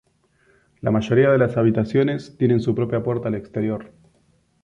La mayoría de las habitaciones tienen su propia puerta al exterior.